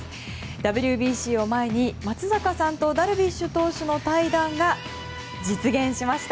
ＷＢＣを前に松坂さんとダルビッシュ投手の対談が実現しました。